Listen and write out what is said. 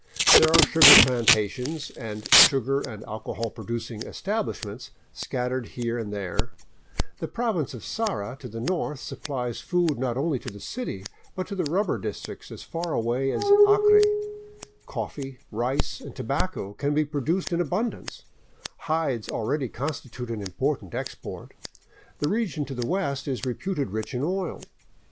There are sugar plantations and sugar and alcohol producing establishments scattered here and there; the province of Sara to the north supplies food not only to the city but to the rubber districts as far away as the Acre ; coffee, rice, and tobacco can be produced in abundance ; hides already constitute an important export; the region to the west is re puted rich in oil.